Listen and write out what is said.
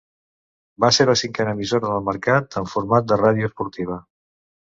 Va ser la cinquena emissora del mercat amb format de ràdio esportiva.